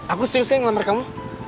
aku serius sekali ngelamar kamu